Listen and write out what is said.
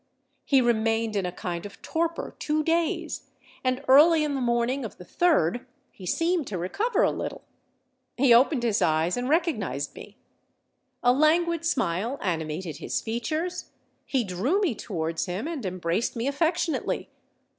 He remained in a kind of torpor two days; and early in the morning of the third he seemed to recover a little. He opened his eyes and recognised me. A languid smile animated his features: he drew me towards him, and embraced me affectionately.